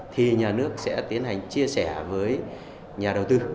thì nhà nước sẽ tiến hành chia sẻ với nhà đầu tư